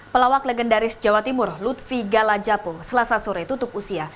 pelawak legendaris jawa timur lutfi gala japo selasa sore tutup usia